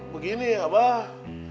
begini ya abah